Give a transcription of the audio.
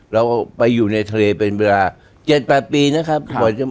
เราไปอยู่ในทะเลเป็นเวลา๗๘ปีนะครับ